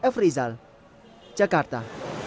f rizal jakarta